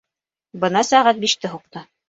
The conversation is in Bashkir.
Бына сәғәт биште һуҡты.